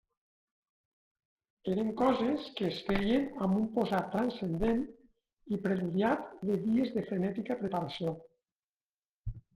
Eren coses que es feien amb un posat transcendent i preludiat de dies de frenètica preparació.